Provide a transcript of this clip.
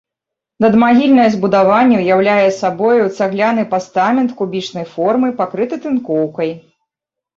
Надмагільнае збудаванне ўяўляе сабою цагляны пастамент кубічнай формы, пакрыты тынкоўкай.